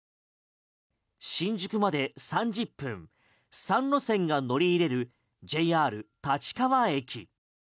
新宿まで３０分３路線が乗り入れるＪＲ立川駅。